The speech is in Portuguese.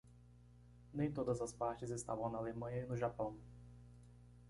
Nem todas as partes estavam na Alemanha e no Japão.